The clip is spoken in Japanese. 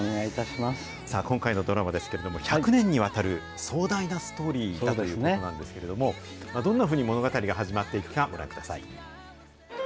さあ、今回のドラマですけれども、１００年にわたる壮大なストーリーだということなんですけれども、どんなふうに物語が始まっていくか、ご覧ください。